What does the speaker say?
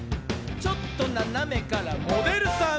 「ちょっとななめからモデルさん」